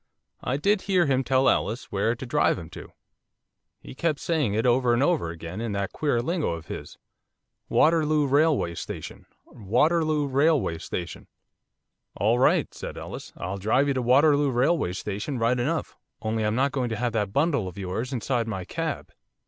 I did hear him tell Ellis where to drive him to, he kept saying it over and over again, in that queer lingo of his. "Waterloo Railway Station, Waterloo Railway Station." "All right," said Ellis, "I'll drive you to Waterloo Railway Station right enough, only I'm not going to have that bundle of yours inside my cab.